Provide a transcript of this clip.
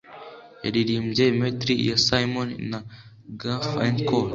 Yaririmbye medley ya Simon na Garfunkel.